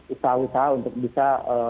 usaha usaha untuk bisa